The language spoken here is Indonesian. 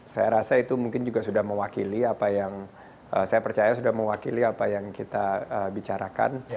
saya rasa itu mungkin juga sudah mewakili apa yang saya percaya sudah mewakili apa yang kita bicarakan